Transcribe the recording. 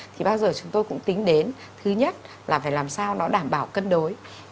thì bao giờ chúng tôi cũng tính đến thứ nhất là phải làm sao nó đảm bảo cân đối